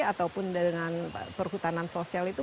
ataupun dengan perhutanan sosial itu